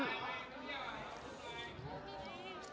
จริงมันเป็นความ